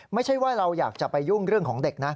ไม่ใช่ว่าเราอยากจะไปยุ่งเรื่องของเด็กนะ